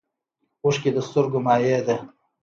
اوښکې د سترګو مایع ده